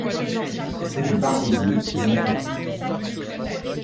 Rue de Barbezieux au numéro six